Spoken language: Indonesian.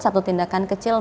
satu tindakan kecil